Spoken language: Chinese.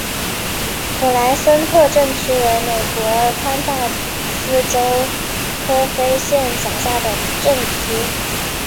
普莱森特镇区为美国堪萨斯州科菲县辖下的镇区。